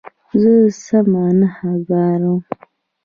زه سمه نښه کاروم.